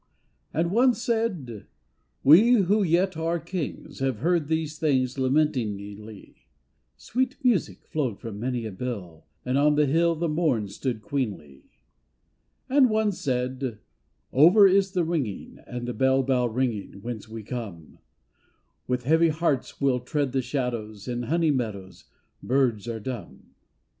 And one said :" We who yet are kings Have heard these things lamenting inly." Sweet music flowed from many a bill And on the hill the morn stood queenly. And one said :" Over is the singing, And bell bough ringing, whence we come; With heavy hearts we'll tread the shadows, In honey meadows birds are dumb."